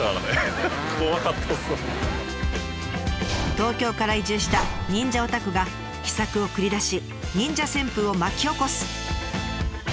東京から移住した忍者オタクが秘策を繰り出し忍者旋風を巻き起こす。